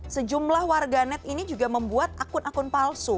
sejumlah warganet ini juga membuat akun akun palsu